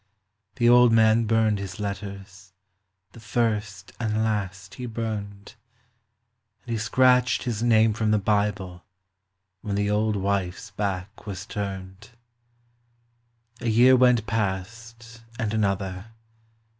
The old man burned his letters, the first and last he burned, And he scratched his name from the Bible when the old wife's back was turned. A year went past and another.